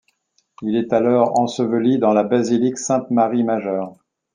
Il est alors enseveli dans la Basilique Sainte-Marie-Majeure.